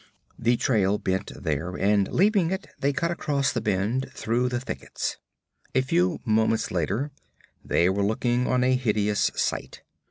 The trail bent there, and leaving it, they cut across the bend, through the thickets. A few moments later they were looking on a hideous sight.